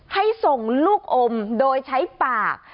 ให้ส่งลูกอมโดยใช้ปาก